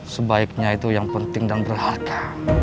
sebaiknya itu yang penting dan berharga